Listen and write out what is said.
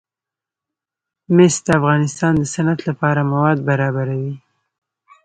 مس د افغانستان د صنعت لپاره مواد برابروي.